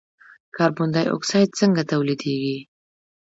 کاربن ډای اکساید څنګه تولیدیږي.